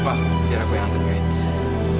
pak biar aku yang nantangin